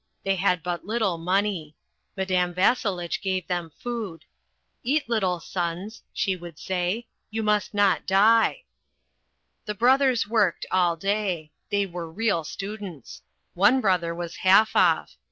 They had but little money. Madame Vasselitch gave them food. "Eat, little sons," she would say. "You must not die." The brothers worked all day. They were real students. One brother was Halfoff.